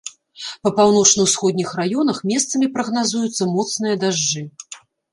Па паўночна-ўсходніх раёнах месцамі прагназуюцца моцныя дажджы.